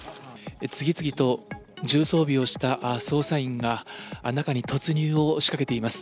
次々と重装備をした捜査員が、中に突入をしかけています。